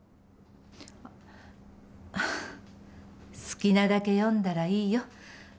好きなだけ読んだらいいよ